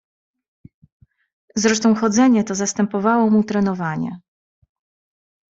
"Zresztą chodzenie to zastępowało mu trenowanie."